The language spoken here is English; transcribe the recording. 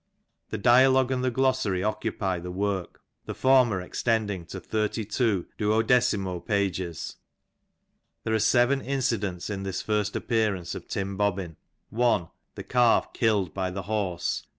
The Dialogue and the Glossary occupy the work, the former ex tending to thirty two duodecimo pages. There are seven incidents in this first appearance of Tim Bobbin : 1. The calf killed by the horse.